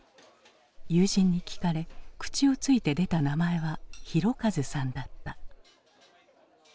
友人に聞かれ口をついて出た名前は広和さんだった。